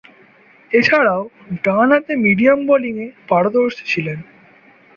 এছাড়াও, ডানহাতে মিডিয়াম বোলিংয়ে পারদর্শী ছিলেন।